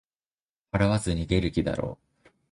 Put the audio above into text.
払わず逃げる気だろう